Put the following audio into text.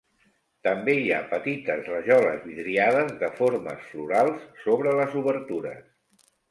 També hi ha petites rajoles vidriades de formes florals sobre les obertures.